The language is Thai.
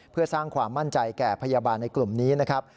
เพื่อสร้างความมั่นใจแก่พยาบาลในกลุ่มนี้นะครับ